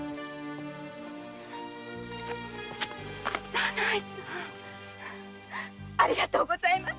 ⁉左内さん‼ありがとうございます。